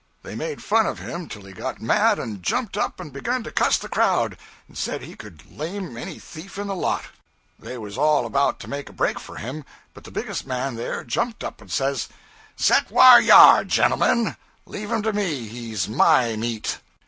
They made fun of him till he got mad and jumped up and begun to cuss the crowd, and said he could lame any thief in the lot. They was all about to make a break for him, but the biggest man there jumped up and says 'Set whar you are, gentlemen. Leave him to me; he's my meat.'